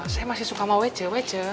saya masih suka sama wc wc